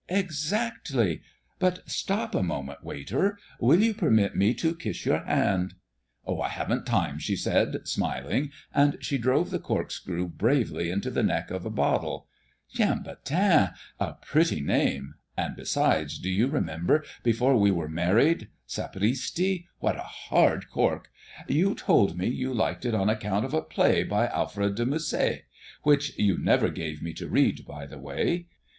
"Exactly. But stop a moment, waiter; will you permit me to kiss your hand?" "I haven't time," she said, smiling, and she drove the corkscrew bravely into the neck of a bottle. "Chambertin! a pretty name. And, besides, do you remember, before we were married sapristi, what a hard cork! you told me you liked it on account of a play by Alfred de Musset? which you never gave me to read, by the way.